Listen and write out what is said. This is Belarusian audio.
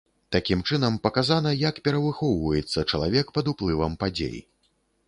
Такім чынам паказана, як перавыхоўваецца чалавек пад уплывам падзей.